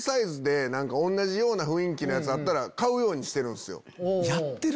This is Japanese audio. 同じような雰囲気のやつあったら買うようにしてるんすよ。